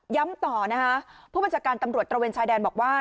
ต่อนะคะผู้บัญชาการตำรวจตระเวนชายแดนบอกว่า